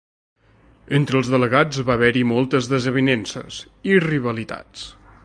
Entre els delegats va haver-hi moltes desavinences i rivalitats.